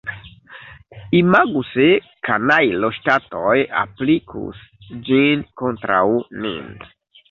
Imagu se kanajloŝtatoj aplikus ĝin kontraŭ nin!